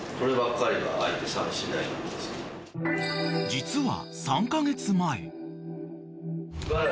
［実は］